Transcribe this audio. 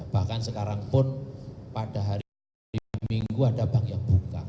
bahkan sekarang pun pada hari minggu ada bank yang buka